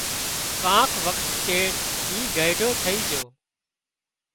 ڪانڪ وکت چيڙ اي گئيڍو ٿئي جھو